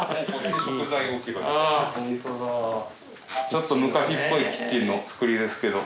ちょっと昔っぽいキッチンのつくりですけど